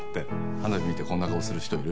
花火見てこんな顔する人いる？